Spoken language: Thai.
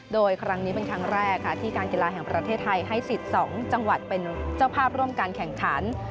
โดยครั้งนี้เป็นครั้งแรกค่ะที่การกีฬาแห่งประเทศไทยให้สิทธิ์๒จังหวัดเป็นเจ้าภาพร่วมการแข่งขัน